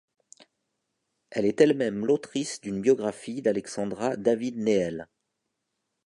Elle est elle-même l'autrice d'une biographie d'Alexandra David-Néel.